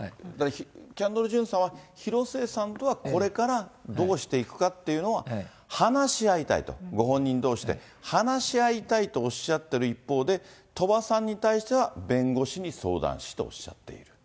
キャンドル・ジュンさんは広末さんとはこれからどうしていくかっていうのは話し合いたいと、ご本人どうしで話し合いたいとおっしゃっている一方で、鳥羽さんに対しては弁護士に相談しとおっしゃっている。